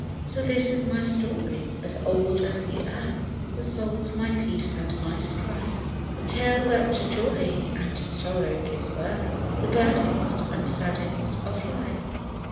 So this is my story as old as the earth, The soul of my peace and my strife; The tale that to joy and to sorrow gives birth— The gladdest and saddest of life.